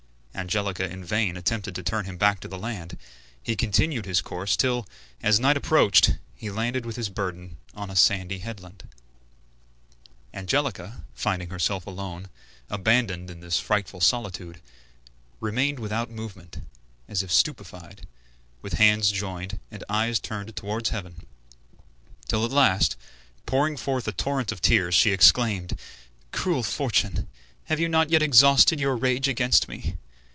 Angelica in vain attempted to turn him back to the land; he continued his course till, as night approached, he landed with his burden on a sandy headland. Angelica, finding herself alone, abandoned in this frightful solitude, remained without movement, as if stupefied, with hands joined and eyes turned towards heaven, till at last, pouring forth a torrent of tears, she exclaimed: "Cruel fortune, have you not yet exhausted your rage against me?